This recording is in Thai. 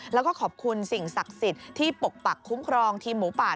แล้วก็ขอบคุณสิ่งศักดิ์สิทธิ์ที่ปกปักคุ้มครองทีมหมูป่า